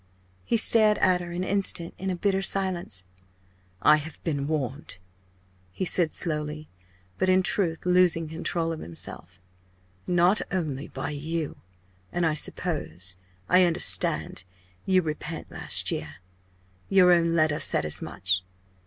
He stared at her an instant in a bitter silence. "I have been warned," he said slowly, but in truth losing control of himself, "not only by you and I suppose I understand! You repent last year. Your own letter said as much.